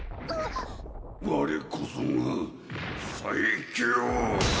われこそが最強！